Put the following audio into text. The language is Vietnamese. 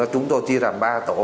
chúng tôi chia làm ba tổ